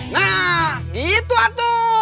nah gitu atu